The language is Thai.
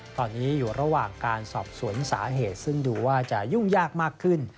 ตอนนี้อยู่ระหว่างการสอบสวนสาเหตุซึ่งดูว่าจะยุ่งยากมากขึ้น